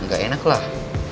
gak enak lah